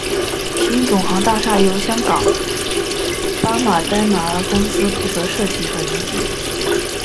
新总行大厦由香港巴马丹拿公司负责设计和营建。